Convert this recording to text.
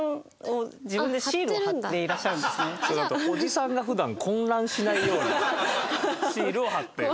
おじさんが普段混乱しないようにシールを貼っている。